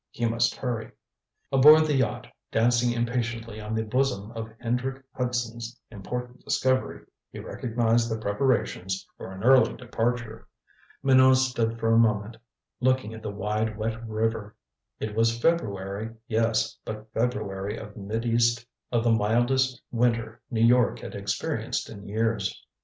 He must hurry. Aboard the yacht, dancing impatiently on the bosom of Hendrick Hudson's important discovery, he recognized the preparations for an early departure. Minot stood for a moment looking at the wide wet river. It was February, yes, but February of the mildest winter New York had experienced in years.